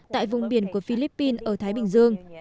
tại vùng biển của philippines ở thái bình dương